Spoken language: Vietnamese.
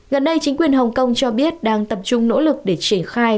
gần đây chính quyền hồng kông cho biết đang tập trung nỗ lực để triển khai